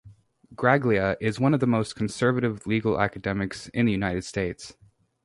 Graglia is one of the most conservative legal academics in the United States.